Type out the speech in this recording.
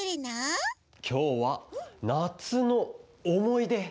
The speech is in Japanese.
きょうは「なつのおもいで」！